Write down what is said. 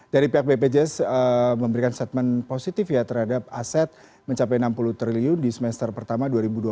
dari pihak bpjs memberikan statement positif ya terhadap aset mencapai enam puluh triliun di semester pertama dua ribu dua puluh